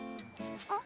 あっ。